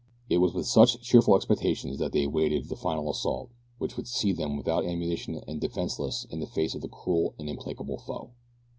It was with such cheerful expectations that they awaited the final assault which would see them without ammunition and defenseless in the face of a cruel and implacable foe.